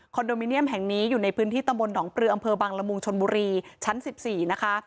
โดมิเนียมแห่งนี้อยู่ในพื้นที่ตำบลหนองปลืออำเภอบังละมุงชนบุรีชั้น๑๔นะคะ